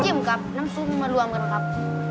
กับน้ำซุปมารวมกันครับ